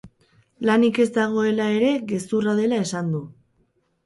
Lanik ez dagoela ere gezurra dela esan du.